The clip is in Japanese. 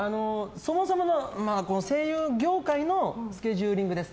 そもそもの声優業界のスケジューリングです。